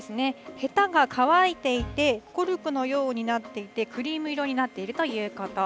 へたが乾いていて、コルクのようになっていて、クリーム色になっているということ。